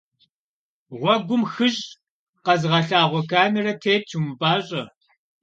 Гъуэгум «хыщӏ» къэзыгъэлъагъуэ камерэ тетщ, умыпӏащӏэ.